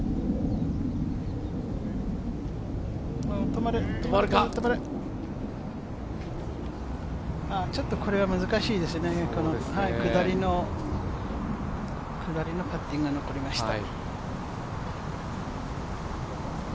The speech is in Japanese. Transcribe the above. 止まれ、止まれちょっとこれは難しいですね、下りのパッティングが残りました。